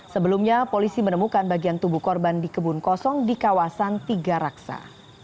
sebelumnya polisi menemukan bagian tubuh korban di kebun kosong di kawasan tiga raksa